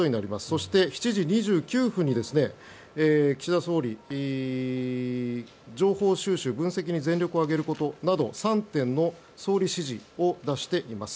そして、７時２９分に岸田総理情報収集、分析に全力を挙げることなど３点の総理指示を出しています。